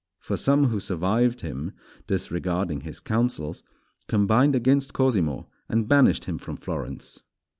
For some who survived him, disregarding his counsels, combined against Cosimo and banished him from Florence.